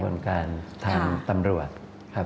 เป็นกระบวนการทางตำรวจครับ